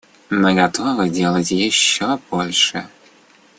Мы готовы делать еще больше.